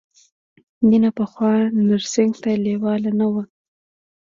مینه پخوا نرسنګ ته لېواله نه وه